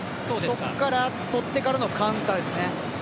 そこから取ってからのカウンターですね。